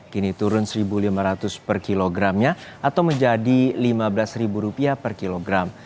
kini turun satu lima ratus per kilogramnya atau menjadi lima belas ribu rupiah per kilogram